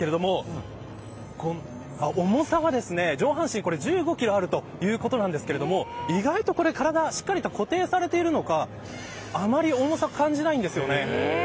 重さは１５キロあるということなんですけれども意外と体固定されているのかあまり重さは感じないんですよね。